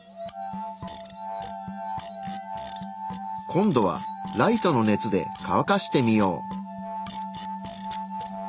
今度はライトの熱でかわかしてみよう。